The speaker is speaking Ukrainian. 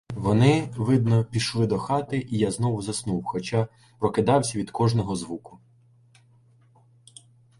Вони, видно, пішли до хати, і я знову заснув, хоча прокидався від кожного звуку.